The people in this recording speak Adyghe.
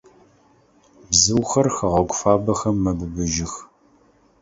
Бзыухэр хэгъэгу фабэхэм мэбыбыжьых.